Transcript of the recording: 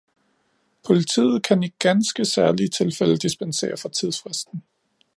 Politiet kan i ganske særlige tilfælde dispensere fra tidsfristen